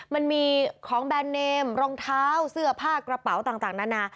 มันมีของแบรนด์เนมรองเท้าเสื้อผ้ากระเป๋าต่างนานา